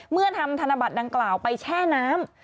เมื่อทำธนบัตรดังกล่าวไปแช่น้ำ